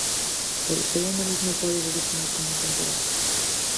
Polo seu humanismo pódese definir como intemporal?